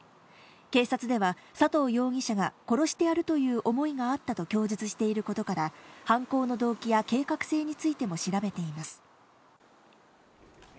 警察では、佐藤容疑者が殺してやるという思いがあったと供述していることから、犯行の動機や計画性についても調べています。